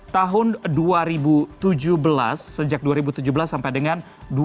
tahun dua ribu tujuh belas sejak dua ribu tujuh belas sampai dengan dua ribu delapan belas